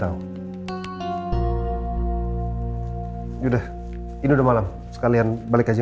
udah nggakww bapak kok